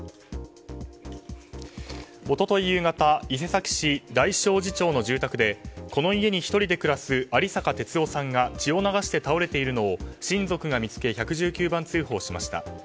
夕方伊勢崎市大正寺町の住宅でこの家に１人で暮らす有坂鉄男さんが、血を流して倒れているのを親族が見つけ１１９番通報しました。